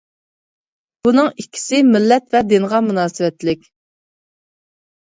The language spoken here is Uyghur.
بۇنىڭ ئىككىسى مىللەت ۋە دىنغا مۇناسىۋەتلىك.